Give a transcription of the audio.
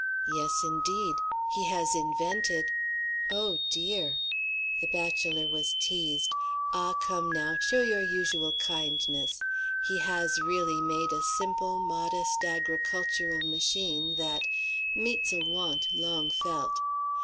"Yes, indeed. He has invented" "Oh, dear!" The bachelor was teased. "Ah! come, now; show your usual kindness; he has, really, made a simple, modest agricultural machine that meets a want long felt.